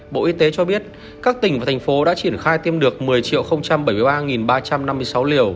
bộ y tế cho biết các tỉnh và thành phố đã triển khai tiêm được một mươi bảy mươi ba ba trăm năm mươi sáu liều